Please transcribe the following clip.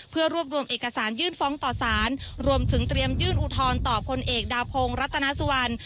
เพื่อรวบรวมเอกสารยื่นฟ้องต่อสารรวมถึงเตรียมยื่นอุทธรณ์ต่อพลเอกดาพงศ์รัตนาสุวรรณ